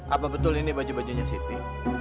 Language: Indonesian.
apa betul ini baju bajunya siti